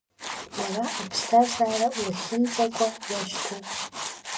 Уара аԥсҭазаара уахьымӡакәа уашьҭоуп.